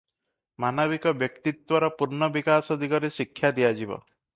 ମାନବିକ ବ୍ୟକ୍ତିତ୍ୱର ପୂର୍ଣ୍ଣ ବିକାଶ ଦିଗରେ ଶିକ୍ଷା ଦିଆଯିବ ।